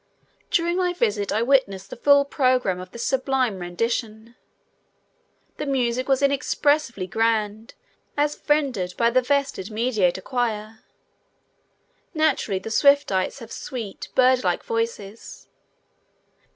During my visit I witnessed the full program of this sublime rendition. The music was inexpressibly grand as rendered by the vested Mediator Choir. Naturally the Swiftites have sweet, bird like voices.